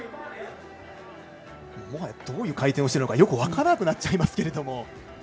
もはやどういう回転をしてるのかよく分からなくなっちゃいますけど。